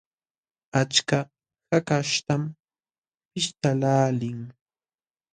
Achka hakaśhtam pishtaqlaalin.